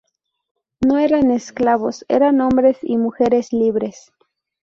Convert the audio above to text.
No eran esclavos eran hombres y mujeres libres.